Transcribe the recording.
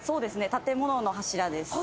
建物の柱です。